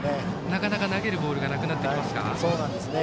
なかなか投げるボールがなくなってきますかね。